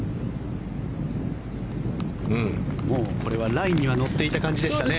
もうこれはラインには乗っていた感じでしたね。